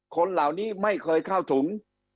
คนเหล่านี้ไม่เคยเข้าถึง